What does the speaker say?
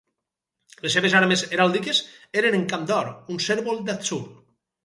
Les seves armes heràldiques eren en camp d'or, un cérvol d'atzur.